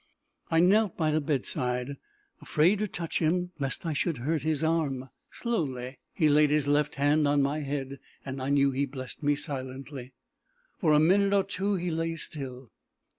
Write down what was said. I knelt by the bedside, afraid to touch him lest I should hurt his arm. Slowly he laid his left hand on my head, and I knew he blessed me silently. For a minute or two he lay still.